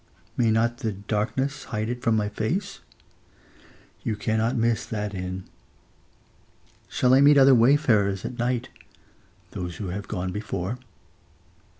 May not the darkness hide it from my face? You cannot miss that inn. Shall I meet other wayfarers at night? Those who have gone before.